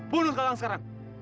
bunuh kakang sekarang